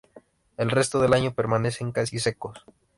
El resto del año permanecen casi secos.